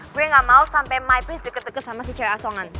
gue gak mau sampe my friends deket deket sama si cewek asongan